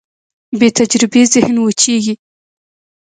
بېتجربې ذهن وچېږي.